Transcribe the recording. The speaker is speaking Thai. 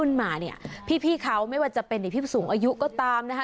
มาเนี่ยพี่เขาไม่ว่าจะเป็นหรือพี่สูงอายุก็ตามนะคะ